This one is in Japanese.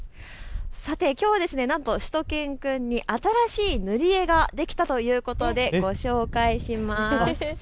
きょうはしゅと犬くんに新しい塗り絵ができたということでご紹介します。